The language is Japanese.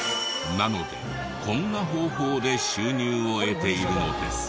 なのでこんな方法で収入を得ているのです。